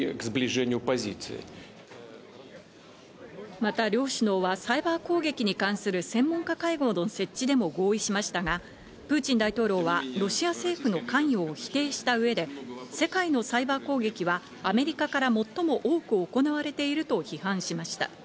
また両首脳はサイバー攻撃に関する専門家会合の設置でも合意しましたが、プーチン大統領はロシア政府の関与を否定した上で、世界のサイバー攻撃はアメリカから最も多く行われていると批判しました。